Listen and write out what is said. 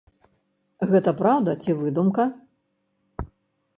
Гэта праўда ці выдумка?